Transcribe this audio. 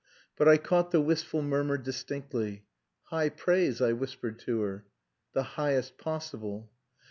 But I caught the wistful murmur distinctly. "High praise," I whispered to her. "The highest possible."